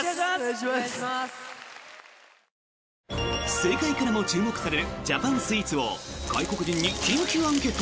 世界からも注目されるジャパンスイーツを外国人に緊急アンケート！